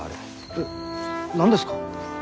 え何ですか？